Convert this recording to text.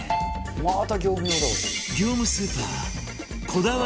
「また業務用だわ」